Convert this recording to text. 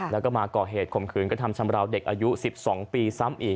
แล้วก็มาก่อเหตุข่มขืนกระทำชำราวเด็กอายุ๑๒ปีซ้ำอีก